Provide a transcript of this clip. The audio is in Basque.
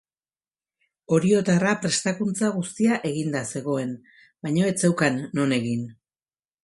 Oriotarra prestakuntza guztia eginda zegoen, baina ez zeukan non egin.